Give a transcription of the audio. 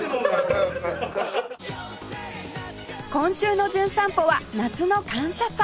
今週の『じゅん散歩』は夏の感謝祭